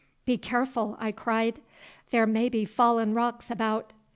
"Be careful," I cried; "there may be fallen rocks about."